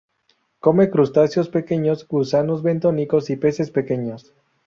Come crustáceos pequeños, gusanos bentónicos y peces pequeños.